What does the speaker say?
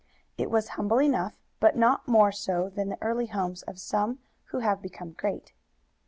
It was humble enough, but not more so than the early homes of some who have become great.